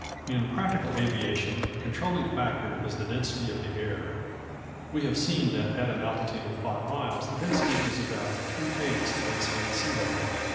In practical aviation, a controlling factor is the density of the air. We have seen that at an altitude of five miles the density is about three eighths the density at sea level.